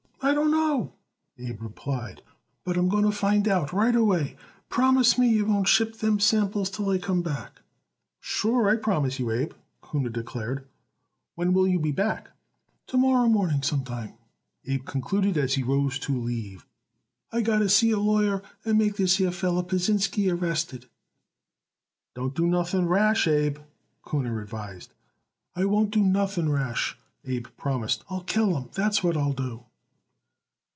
"I don't know," Abe replied, "but I'm going to find out right away. Promise me you wouldn't ship them samples till I come back." "Sure I will promise you, Abe," Kuhner declared. "When will you be back?" "To morrow morning some time," Abe concluded as he rose to leave. "I got to see a lawyer and make this here feller Pasinsky arrested." "Don't do nothing rash, Abe," Kuhner advised. "I won't do nothing rash," Abe promised. "I'll kill him, that's what I'll do."